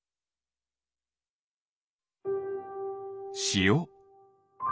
しお。